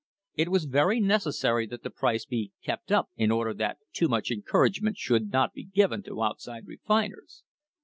It was very necessary that the price be kept up in order that too much encourage ment should not be given to outside refiners.